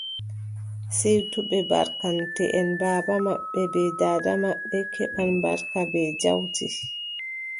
Siwtuɓe barkanteʼen, baaba maɓɓe bee daada maɓɓe keɓan barka bee jawdi.